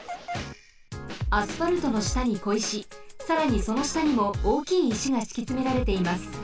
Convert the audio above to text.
アスファルトのしたにこいしさらにそのしたにもおおきいいしがしきつめられています。